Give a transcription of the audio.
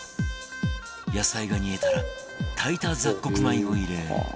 野菜が煮えたら炊いた雑穀米を入れ